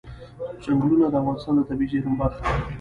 چنګلونه د افغانستان د طبیعي زیرمو برخه ده.